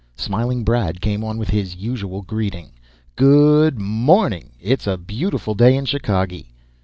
Smiling Brad came on with his usual greeting. "Good morning it's a beautiful day in Chicagee!"